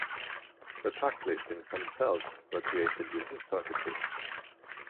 The track listings themselves were created using circuitry.